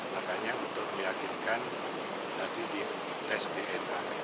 makanya untuk meyakinkan tadi di tes dna